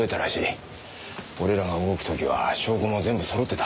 俺らが動く時は証拠も全部揃ってた。